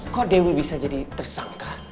kok dewi bisa jadi tersangka